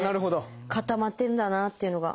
固まってるんだなっていうのが。